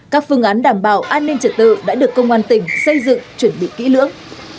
các phương án đảm bảo an ninh trật tự đã được công an tỉnh xây dựng chuẩn bị kỹ lưỡng